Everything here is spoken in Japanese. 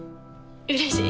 うれしい。